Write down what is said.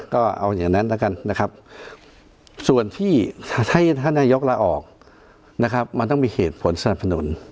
ก็เอาอย่างนั้นแล้วกันนะครับส่วนที่ให้ท่านนายกลาออกนะครับมันต้องมีเหตุผลสนับสนุน